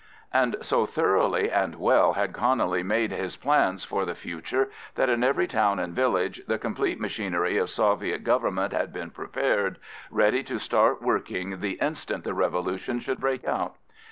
And so thoroughly and well had Connelly made out his plans for the future that in every town and village the complete machinery of Soviet Government had been prepared, ready to start working the instant the revolution should break out.